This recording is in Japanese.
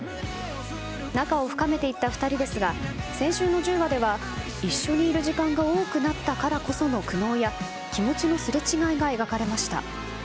仲を深めていった２にですが先週の１０話では一緒にいる時間が多くなったからこその苦悩や気持ちのすれ違いが描かれました。